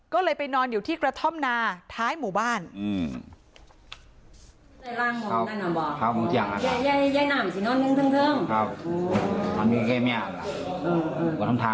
ก็เลยไปนอนอยู่ที่กระท่อมนาท้ายหมู่บ้าน